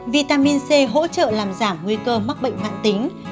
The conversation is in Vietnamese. vitamin c hỗ trợ làm giảm nguy cơ mắc bệnh mạng tính